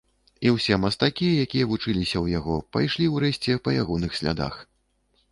І ўсе мастакі, якія вучыліся ў яго, пайшлі ў рэшце па ягоных слядах.